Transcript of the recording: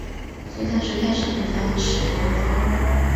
隋朝时开始频遣使贡方物。